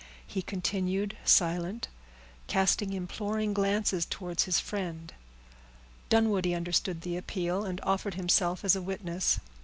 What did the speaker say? He continued silent, casting imploring glances towards his friend. Dunwoodie understood the appeal, and offered himself as a witness.